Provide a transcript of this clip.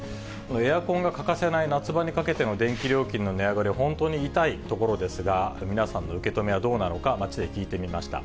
エアコンが欠かせない夏場にかけて電気料金の値上がりは本当に痛いところですが、皆さんの受け止めはどうなのか、街で聞いてみました。